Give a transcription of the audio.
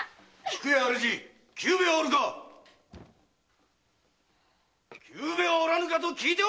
・菊屋主久兵衛はおるか⁉久兵衛はおらぬかと聞いておるのだ！